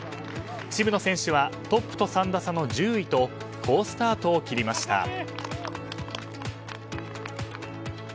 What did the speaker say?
渋野選手はトップと３打差の１０位と好スタートを切りました。